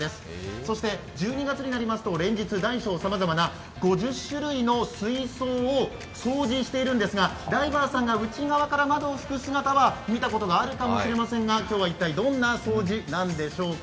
そして１２月になりますと、連日、大小さまざまな５０種類の水槽を掃除しているんですが、ダイバーさんが内側から窓を拭く姿は見たことがあるかもしれませんが今日は一体どんな掃除なんでしょうか。